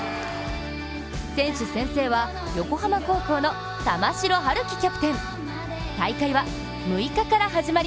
選手宣誓は横浜高校の玉城陽希キャプテン。